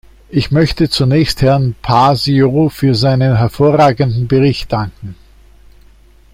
Ich möchte zunächst Herrn Paasio für seinen hervorragenden Bericht danken.